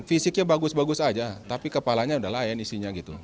fisiknya bagus bagus aja tapi kepalanya udah lain isinya gitu